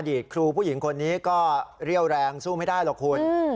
ครูผู้หญิงคนนี้ก็เรี่ยวแรงสู้ไม่ได้หรอกคุณ